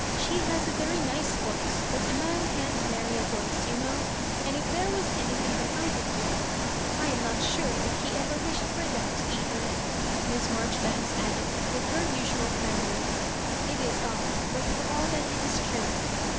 She has a very nice voice, but a man can't marry a voice, you know ; and if there was anything that I could do^— I am not sure that he ever wished for Viat either," Miss Maijoribanks added, with her usual can dour. «' It is odd, but for all that it is true."